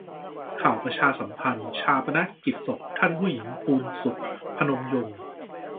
ข่าวประชาสัมพันธ์ : ฌาปนกิจศพท่านผู้หญิงพูนศุข พนมยงค์